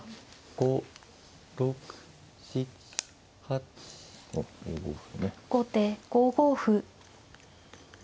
後手５五歩。